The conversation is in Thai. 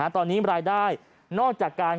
ตอนนี้รายได้นอกจากการ